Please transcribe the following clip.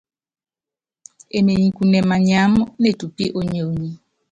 Emenyi kune manyiáma netupí ónyonyí.